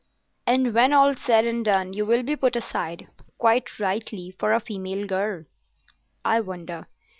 "And when all's said and done, you will be put aside—quite rightly—for a female girl." "I wonder...